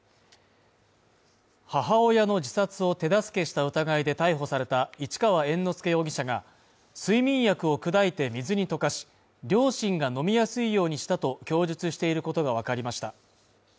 母親の自殺を手助けした疑いで逮捕された市川猿之助容疑者が睡眠薬を砕いて水に溶かし、両親が飲みやすいようにしたと供述していることがわかりました。